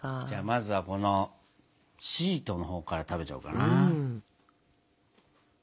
じゃあまずはこのシートのほうから食べちゃおうかな。